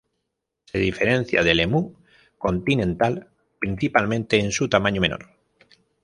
Se diferencia del Emú continental principalmente en su tamaño menor.